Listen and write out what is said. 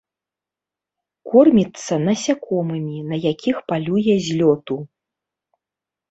Корміцца насякомымі, на якіх палюе з лёту.